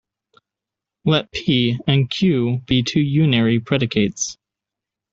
Let "p" and "q" be two unary predicates.